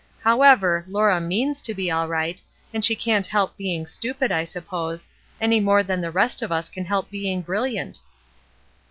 However, Laura means to be all right, and she can't help being stupid, I suppose, any more than the rest of us can help being brilUant."